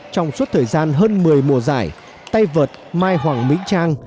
trong suốt thời gian hơn một mươi mùa giải tay vợt mai hoàng mỹ trang